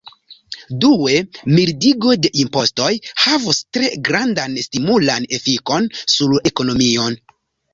Due, mildigo de impostoj havus tre grandan stimulan efikon sur la ekonomion.